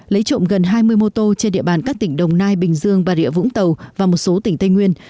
lấy trộm gần hai mươi mô tô trên địa bàn các tỉnh đồng nai bình dương bà rịa vũng tàu và một số tỉnh tây nguyên